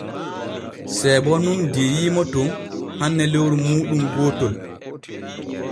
Seebo nun diiyiimo ton hanne lewru muuɗum gootol.